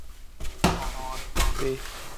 ٿورو اٽو ڏي